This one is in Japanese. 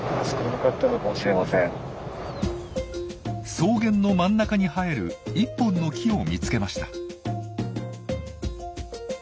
草原の真ん中に生える１本の木を見つけました。